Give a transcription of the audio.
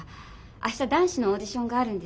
明日男子のオーディションがあるんです。